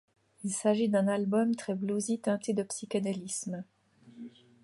Il s'agit d'un album très bluesly, teinté de psychédélisme.